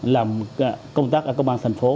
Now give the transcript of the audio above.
làm công tác ở công an thành phố